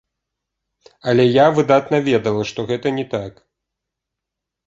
Але я выдатна ведала, што гэта не так.